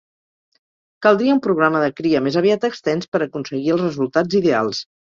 Caldria un programa de cria més aviat extens per aconseguir els resultats ideals.